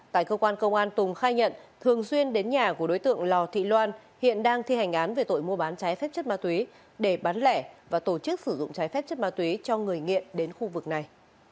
tại cơ quan công an tùng khai nhận thường xuyên đến nhà của đối tượng lò thị loan hiện đang thi hành án về tội mua bán trái phép chất ma túy để bán lẻ và tổ chức sử dụng trái phép chất ma túy cho người nghiện đến khu vực này